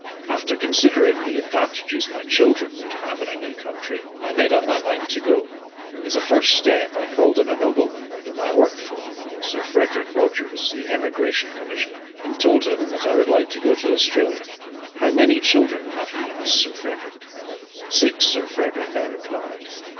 After considering the advantages my children would have in a new country, I made up my mind to go. As a first step, I called on a nobleman whom I worked for, Sir Frederick Rogers, the Emigration Commissioner, and told him that I would like to go to Australia. "How many children have you?" asked Sir Frederick. "Six, Sir Frederick," I replied.